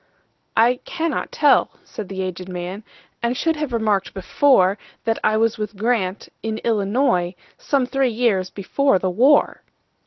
"I cannot tell," said the aged man,"And should have remarked before, That I was with Grant,—in Illinois,—Some three years before the war."